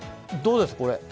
どうです？